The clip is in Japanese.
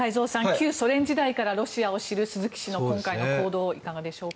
旧ソ連時代からロシアを知る鈴木氏の今回の行動いかがでしょうか？